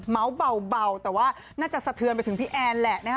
เบาแต่ว่าน่าจะสะเทือนไปถึงพี่แอนแหละนะฮะ